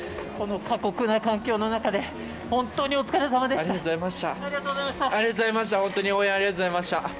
この過酷な環境の中で、本当にお疲れさまでした。